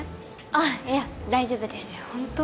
あっいや大丈夫ですいやホント？